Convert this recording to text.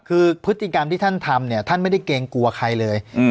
คือพฤติกรรมที่ท่านทำเนี่ยท่านไม่ได้เกรงกลัวใครเลย